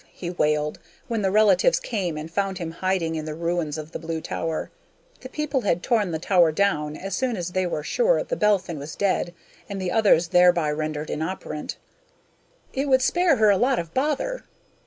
he wailed, when the relatives came and found him hiding in the ruins of the Blue Tower. The people had torn the Tower down as soon as they were sure The Belphin was dead and the others thereby rendered inoperant. "It would spare her a lot of bother."